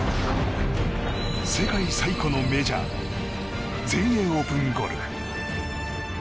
世界最古のメジャー全英オープンゴルフ。